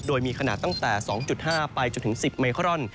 โดยมีขนาดตั้งแต่๒๕ไปจนถึง๑๐ไมครอน